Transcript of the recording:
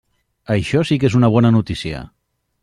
Això sí que és una bona notícia.